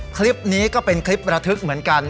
คลิปนี้ก็เป็นคลิประทึกเหมือนกัน